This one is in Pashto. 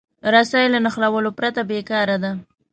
رسۍ له نښلولو پرته بېکاره ده.